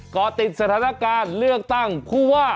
ก็ติดสถานการณ์เลือกตั้งผู้ว่า